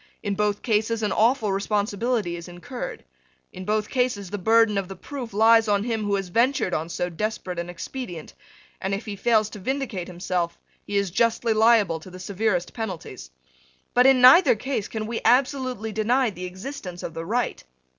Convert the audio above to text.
In both cases an awful responsibility is incurred. In both cases the burden of the proof lies on him who has ventured on so desperate an expedient; and, if he fails to vindicate himself, he is justly liable to the severest penalties. But in neither case can we absolutely deny the existence of the right.